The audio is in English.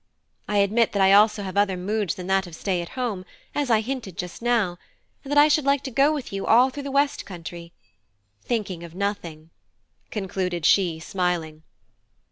I admit that I also have other moods than that of stay at home, as I hinted just now, and I should like to go with you all through the west country thinking of nothing," concluded she smiling.